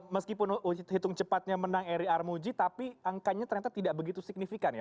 meskipun hitung cepatnya menang eri armuji tapi angkanya ternyata tidak begitu signifikan ya